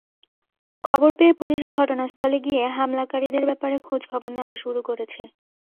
খবর পেয়ে পুলিশ ঘটনাস্থলে গিয়ে হামলাকারীদের ব্যাপারে খোঁজখবর নেওয়া শুরু করেছে।